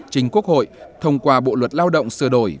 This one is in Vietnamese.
trình quốc hội thông qua bộ luật lao động sửa đổi